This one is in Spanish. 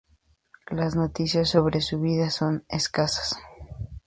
Las noticias sobre su vida son escasas.